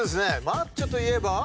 マッチョといえば？